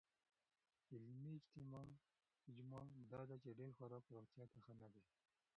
علمي اجماع دا ده چې ډېر خوراک روغتیا ته ښه نه دی.